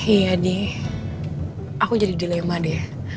iya nih aku jadi dilema deh